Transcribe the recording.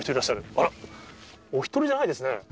あら、お１人じゃないですね。